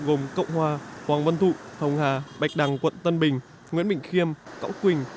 gồm cộng hòa hoàng văn thụ hồng hà bạch đằng quận tân bình nguyễn bình khiêm cão quỳnh